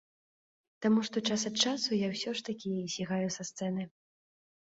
Таму што час ад часу я ўсё ж такі сігаю са сцэны.